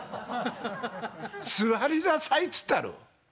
座りなさいっつったの。